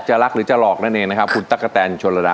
จะรักหรือจะหลอกนั่นเองนะครับคุณตะกะแทนชวนละรับ